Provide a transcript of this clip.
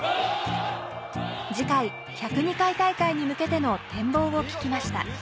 次回１０２回大会に向けての展望を聞きました